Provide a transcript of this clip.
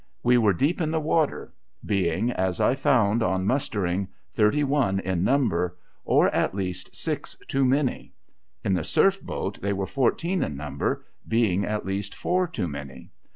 We were deep in the water ; being, as I found on mustering, thirty one in number, or at least six too many. In the Surf boat thuy were fourteen in number, being at least four too many.